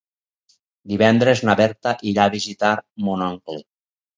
Divendres na Berta irà a visitar mon oncle.